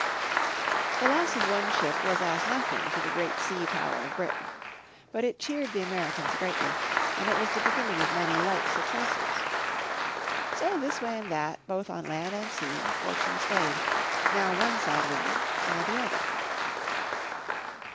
The loss of one ship was as nothing to the great sea power of Britain. But it cheered the Americans greatly, and it was the beginning of many like successes. So this way and that, both on land and sea, fortune swayed, now one side winning, now the other.